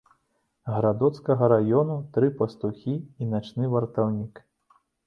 Гарадоцкага раёну, тры пастухі і начны вартаўнік.